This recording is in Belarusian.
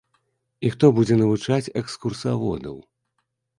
І хто будзе навучаць экскурсаводаў?